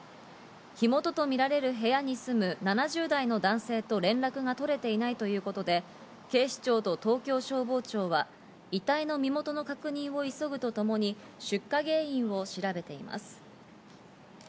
火元とみられる部屋に住む７０代の男性と連絡が取れていないということで、警視庁と東京消防庁は遺体の身元の確認を急ぐとともに出火原因を調べています。